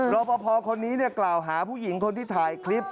รอปภคนนี้กล่าวหาผู้หญิงคนที่ถ่ายคลิป